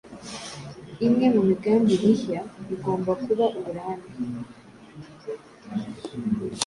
imwe mumigambi mihya igomba kuba uburambe